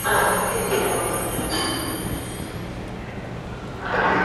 Su obra más importante, "La vida en la tumba", contiene muchos aspectos autobiográficos.